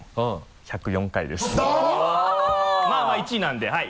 まぁまぁ１位なんではい！